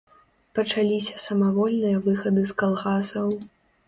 Пачаліся самавольныя выхады з калгасаў.